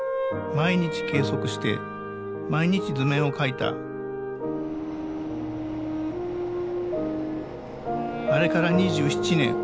毎日計測して毎日図面を描いたあれから２７年